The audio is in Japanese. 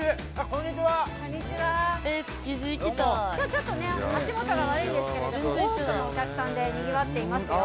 今日ちょっと足元が悪いんですが多くのお客さんでにぎわっていますよ。